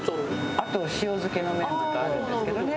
あと塩漬けのメンマとあるんですけどね。